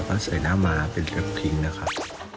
เราก็ใส่หน้ามาเป็นเร็วพริ้งนะครับ